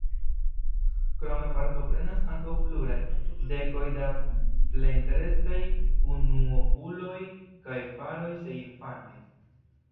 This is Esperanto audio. Krome partoprenas ankaŭ pluraj dekoj da plenkreskaj unuopuloj kaj paroj sen infanoj.